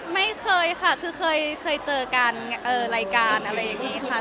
ไม่เคยค่ะคือเคยเจอกันรายการอะไรอย่างนี้ค่ะ